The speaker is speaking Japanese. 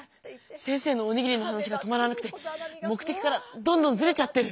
先生のおにぎりの話が止まらなくて目的からどんどんずれちゃってる！